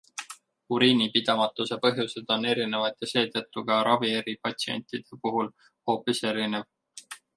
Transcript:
Uriinipidamatuse põhjused on erinevad ja seetõttu ka ravi eri patsientide puhul hoopis erinev.